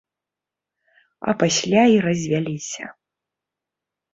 А пасля і развяліся.